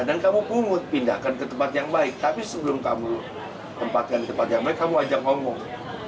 dan kamu pindahkan ke tempat yang baik tapi sebelum kamu tempatkan ke tempat yang baik kamu ajak ngomong